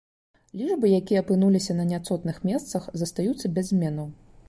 Лічбы, якія апынуліся на няцотных месцах, застаюцца без зменаў.